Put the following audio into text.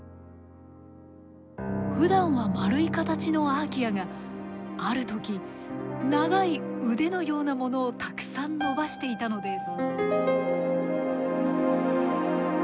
ふだんは丸い形のアーキアがある時長い腕のようなものをたくさん伸ばしていたのです。